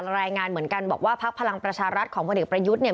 รายงานเหมือนกันบอกว่าพักพลังประชารัฐของพลเอกประยุทธ์เนี่ย